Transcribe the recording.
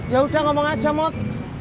ya udah ngomong aja mot